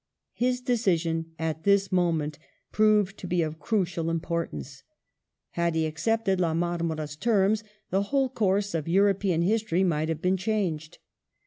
His decision at this moment proved to be of crucial importance. Had he accepted La Marmora's terms the whole coui*se of European history might have been changed.